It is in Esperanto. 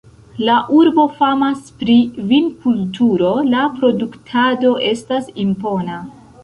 La urbo famas pri vinkulturo, la produktado estas impona.